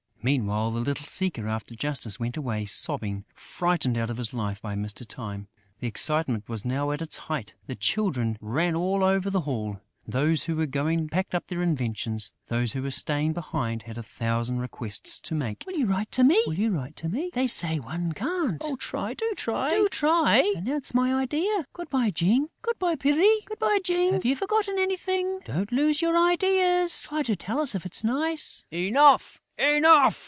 Meanwhile, the little seeker after justice went away sobbing, frightened out of his life by Mr. Time. The excitement was now at its height. The Children ran all over the hall: those who were going packed up their inventions; those who were staying behind had a thousand requests to make: "Will you write to me?" "They say one can't!" "Oh, try, do try!" "Announce my idea!" "Good bye, Jean.... Good bye, Pierre!" "Have you forgotten anything?" "Don't lose your ideas!" "Try to tell us if it's nice!" "Enough! Enough!"